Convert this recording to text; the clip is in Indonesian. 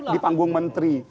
di panggung menteri